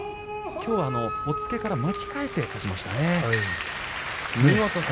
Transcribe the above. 押っつけから巻き替えして勝ちましたね。